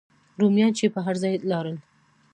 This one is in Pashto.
رومیان چې به هر ځای لاړل.